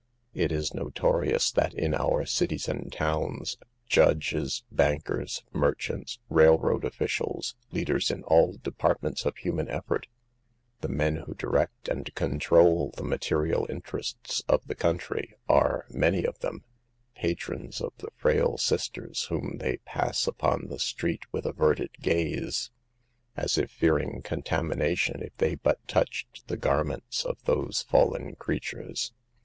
It is notorious that ^ in our cities and towns, judges, bankers, mer chants, railroad officials, leaders in all depart ments of human effort, the men who direct and control the material interests of the country, are, many of them, patrons of the frail sisters whom they pass upon the street with averted gaze, as if fearing contamination if they but touched the garments of those fallen creatures.